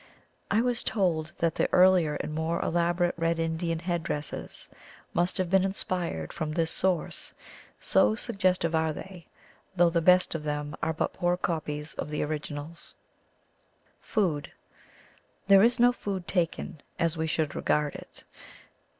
I was told that the earlier and more elaborate Red Indian headdresses must have been inspired from this source, so suggestive are they, though the best of them are but poor copies of the originals. FooD. — There is no food taken, as we should regard it.